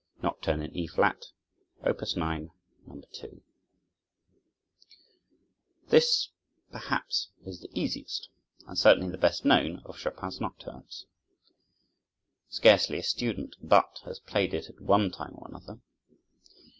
Chopin: Nocturne in E Flat, Op. 9, No. 2 This perhaps is the easiest and certainly the best known of Chopin's nocturnes. Scarcely a student but has played it at one time or another.